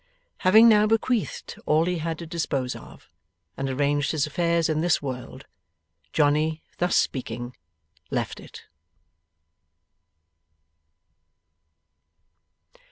Having now bequeathed all he had to dispose of, and arranged his affairs in this world, Johnny, thus speaking, left it.